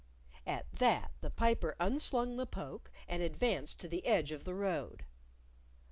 At that, the Piper unslung the poke and advanced to the edge of the road.